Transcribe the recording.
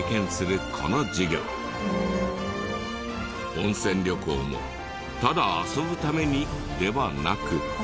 温泉旅行もただ遊ぶためにではなく。